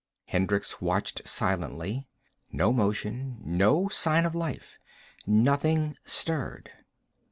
Hendricks watched silently. No motion. No sign of life. Nothing stirred.